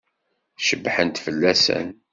Cebḥent fell-asen?